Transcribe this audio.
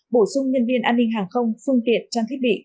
bổ sung nhân viên an ninh hàng không phương tiện trang thiết bị